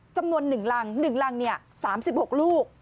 จำนวนหนึ่งลังหนึ่งลัง๓๖ลูก